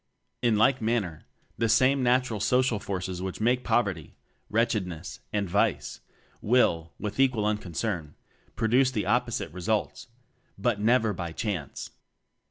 In like manner, the same "natural" social forces which make poverty, wretchedness, and vice, will (with equal unconcern) produce the opposite results but never by "chance."